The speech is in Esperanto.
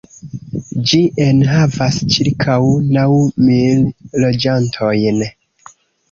Ĝi enhavas ĉirkaŭ naŭ mil loĝantojn.